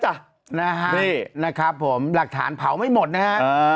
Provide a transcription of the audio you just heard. หลักฐานเผาไม่หมดนะครับ